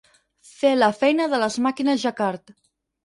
Fer la feina de les màquines jacquard.